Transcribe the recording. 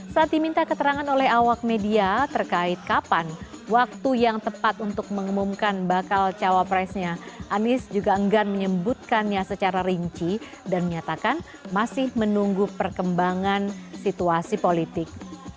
saat diminta keterangan oleh awak media terkait kapan waktu yang tepat untuk mengumumkan bakal cawapresnya anies juga enggan menyebutkannya secara rinci dan menyatakan masih menunggu perkembangan situasi politik